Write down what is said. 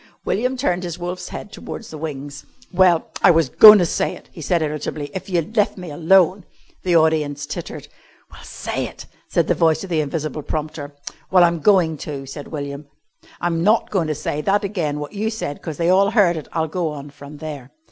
William turned his wolf's head towards the wings. "Well, I was goin' to say it," he said irritably, "if you'd lef' me alone." The audience tittered. "Well, say it," said the voice of the invisible prompter. "Well, I'm going to," said William. "I'm not goin' to say that again wot you said 'cause they all heard it. I'll go on from there."